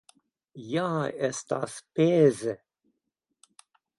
Ja estas peze!